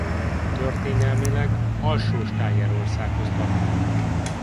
Történelmileg Alsó Stájerországhoz tartozott.